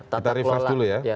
kita reflash dulu ya